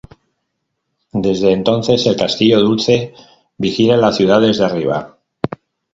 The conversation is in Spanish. Desde entonces el castillo dulce vigila la ciudad desde arriba.